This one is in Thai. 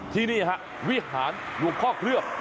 ที่นี่ฮะวิหารหลวงพ่อเคลือบ